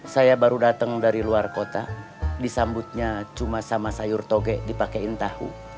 saya baru datang dari luar kota disambutnya cuma sama sayur toge dipakaiin tahu